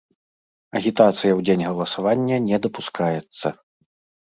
Агітацыя ў дзень галасавання не дапускаецца.